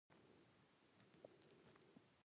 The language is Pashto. په ختیځ کې ګڼ مېشته سیمه وه.